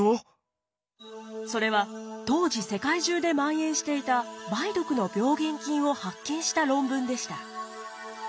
それは当時世界中で蔓延していた梅毒の病原菌を発見した論文でした。